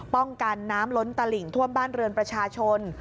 ป้องกันน้ำล้นตลิ่งท่วมบ้านเรือนประชาชน